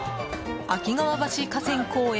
秋川橋河川公園